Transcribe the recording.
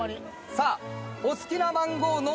さあ。